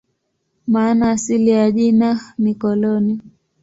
Maana asili ya jina ni "koloni".